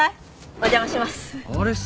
お邪魔します。